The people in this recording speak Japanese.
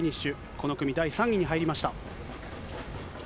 この組、第３位に入りました。